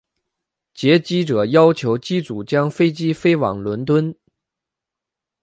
劫机者要求机组将飞机飞往伦敦。